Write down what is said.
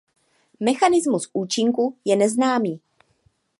Mechanismus účinku je neznámý.